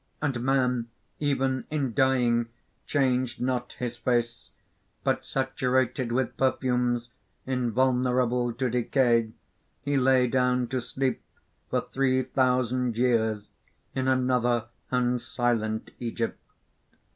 And man even in dying changed not his face; but saturated with perfumes, invulnerable to decay, he lay down to sleep for three thousand years in another and silent Egypt.